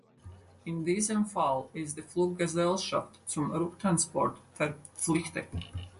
In diesem Fall ist die Fluggesellschaft zum Rücktransport verpflichtet.